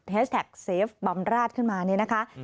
แท็กเซฟบำราชขึ้นมาเนี่ยนะคะ